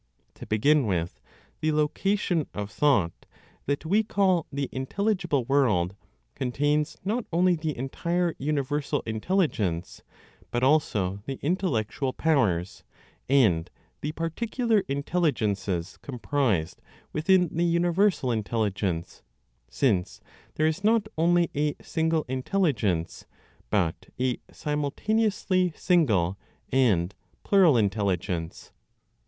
To begin with, the location of thought, that we call the intelligible world, contains not only the entire universal Intelligence, but also the intellectual powers, and the particular intelligences comprised within the universal Intelligence; since there is not only a single intelligence, but a simultaneously single and plural intelligence.